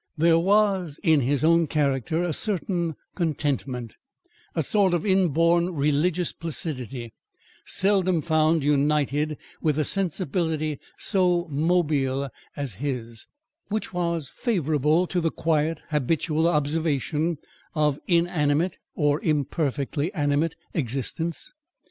There was in his own character a certain contentment, a sort of inborn religious placidity, seldom found united with a sensibility so mobile as his, which was favourable to the quiet, habitual observation of inanimate, or imperfectly animate, existence.